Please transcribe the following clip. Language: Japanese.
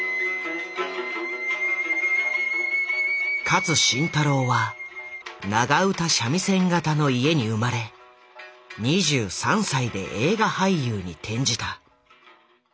勝新太郎は長唄三味線方の家に生まれ２３歳で映画俳優に転じた。